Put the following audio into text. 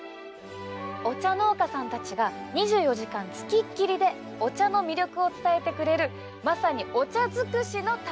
お茶農家さんたちが２４時間つきっきりでお茶の魅力を伝えてくれるまさにお茶尽くしの旅なんです。